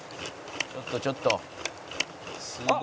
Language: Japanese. ちょっとちょっと」あっ！